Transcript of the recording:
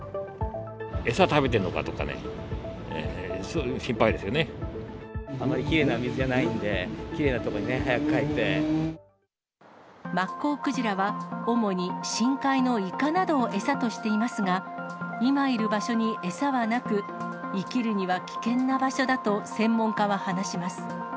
餌食べてるのかとかね、あまりきれいな水じゃないんマッコウクジラは、主に深海のイカなどを餌としていますが、今いる場所に餌はなく、生きるには危険な場所だと、専門家は話します。